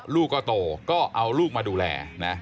ลูกก็โตก็เอาลูกมาดูแลนะ